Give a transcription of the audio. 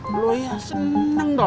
boleh ya seneng toh